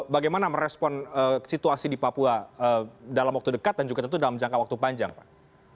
bagaimana merespon situasi di papua dalam waktu dekat dan juga tentu dalam jangka waktu panjang pak